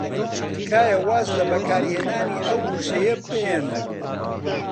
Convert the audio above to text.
تکایە واز لە بەکارهێنانی ئەو وشەیە بهێنن.